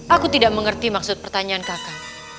aku tidak mengerti maksud pertanyaan kakak